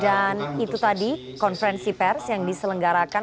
dan itu tadi konferensi pers yang diselenggarakan